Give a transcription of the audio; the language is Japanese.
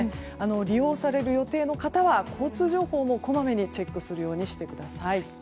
利用される予定の方は交通情報もこまめにチェックするようにしてください。